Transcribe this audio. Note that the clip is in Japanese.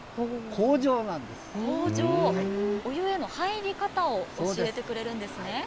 口上、お湯への入り方を教えてくれるんですね。